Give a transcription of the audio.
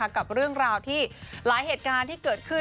กับเรื่องราวที่หลายเหตุการณ์ที่เกิดขึ้น